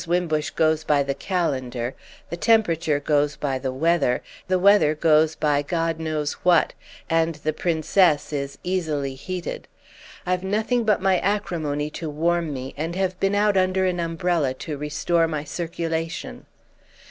Wimbush goes by the calendar, the temperature goes by the weather, the weather goes by God knows what, and the Princess is easily heated. I've nothing but my acrimony to warm me, and have been out under an umbrella to restore my circulation.